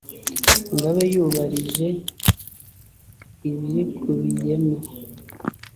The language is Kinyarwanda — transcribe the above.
ngo abe yubarije ibirikubiyemo